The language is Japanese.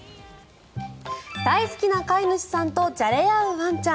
大好きな飼い主さんとじゃれ合うワンちゃん。